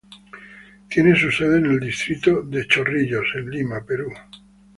Tiene su sede en el distrito de Chorrillos en Lima, Perú.